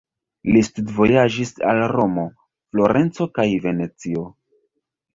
Li studvojaĝis al Romo, Florenco kaj Venecio.